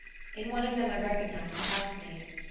In one of them I recognized the housemaid.